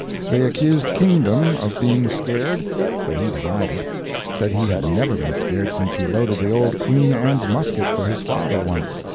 They accused Kingdom of being scared, but he denied it—said he had never been scared since he loaded the old Queen Anne's musket for his father once.